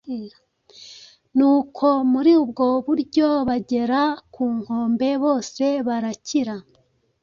nuko muri ubwo buryo bagera ku nkombe bose, barakira.”